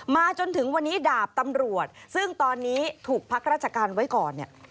จนถึงวันนี้ดาบตำรวจซึ่งตอนนี้ถูกพักราชการไว้ก่อนเนี่ย